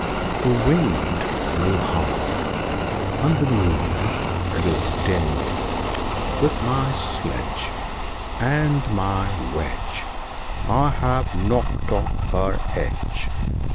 The Wind blew hard, and the Moon grew dim. "With my sledge And my wedge I have knocked off her edge!